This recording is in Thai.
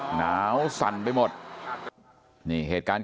คุณยายบุญช่วยนามสกุลสุขล้ำ